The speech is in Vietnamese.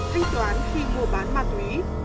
thanh toán khi mua bán ma túy